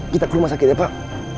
kita ke rumah sakit ya pak